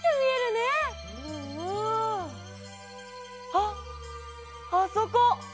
あっあそこ！